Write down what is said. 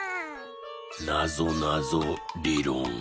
「なぞなぞりろん」。